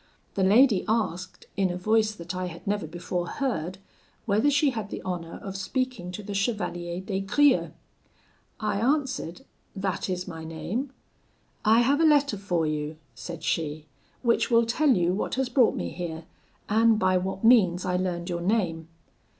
The lady asked, in a voice that I had never before heard, whether she had the honour of speaking to the Chevalier des Grieux? I answered, 'That is my name.' 'I have a letter for you,' said she, 'which will tell you what has brought me here, and by what means I learned your name.'